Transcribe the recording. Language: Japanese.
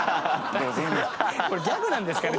これギャグなんですかね？